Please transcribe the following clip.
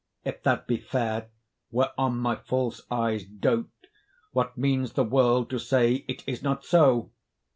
If that be fair whereon my false eyes dote, What means the world to say it is not so?